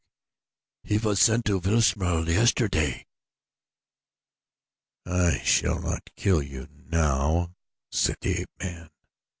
"He was sent to Wilhelmstal yesterday." "I shall not kill you now," said the ape man.